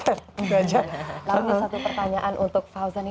lalu satu pertanyaan untuk fauzan